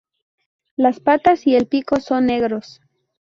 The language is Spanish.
Las patas y el pico son negros.